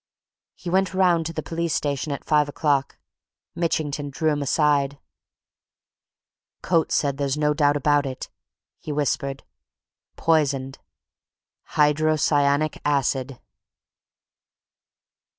He went round to the police station at five o'clock. Mitchington drew him aside. "Coates says there's no doubt about it!" he whispered. "Poisoned! Hydrocyanic acid!"